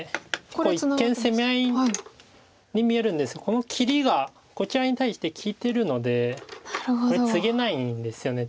これ一見攻め合いに見えるんですけどこの切りがこちらに対して利いてるのでこれツゲないんですよね